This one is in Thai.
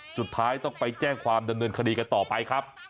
สุดท้ายต้องไปแจ้งความดำเนินคดีกันต่อไปครับ